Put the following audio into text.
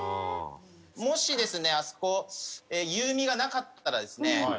もしですね、あそこ「ゆうみ」がなかったらですね